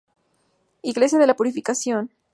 Iglesia de la Purificación.